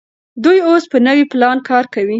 دوی اوس په نوي پلان کار کوي.